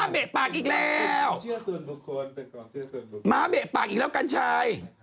เบกปากเบกปากอีกแล้วกันชัย